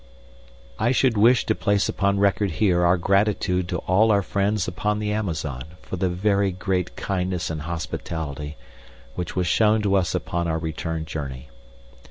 I should wish to place upon record here our gratitude to all our friends upon the Amazon for the very great kindness and hospitality which was shown to us upon our return journey.